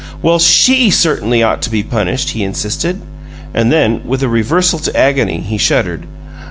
"Well, SHE certainly ought to be punished!" he insisted, and then, with a reversal to agony, he shuddered.